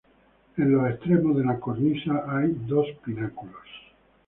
En los extremos de la cornisa hay dos pináculos.